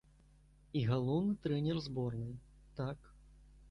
І галоўны трэнер зборнай, так.